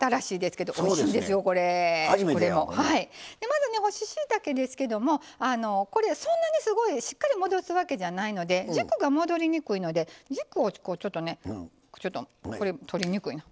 まずね干ししいたけですけどもこれそんなにすごいしっかり戻すわけじゃないので軸が戻りにくいので軸をこうちょっとねこれ取りにくいなこうしてむしります。